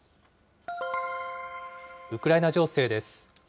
ウクライナ情勢です。